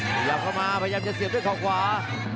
พยายามเข้ามาพยายามจะเสียบด้วยเขาขวา